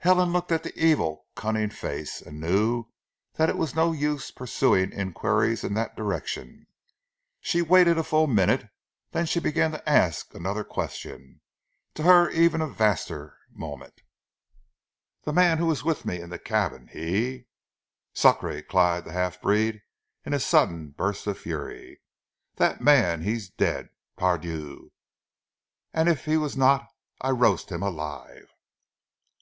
Helen looked at the evil, cunning face, and knew that it was no use pursuing inquiries in that direction. She waited a full minute, then she began to ask another question, to her of even vaster moment: "That man who was with me in the cabin, he " "Sacree!" cried the half breed in a sudden burst of fury. "Dat man he ees dead, Par Dieu! an' eef he was not, I roast heem alive!"